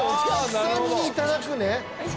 お客さんにいただくね。